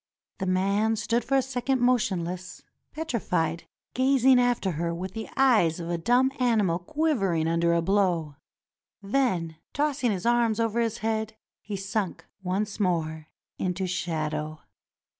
The man stood for a second motionless, petrified, gazing after her with the eyes of a dumb animal quivering under a blow. Then, tossing his arms above his head, he slunk once more into shadow.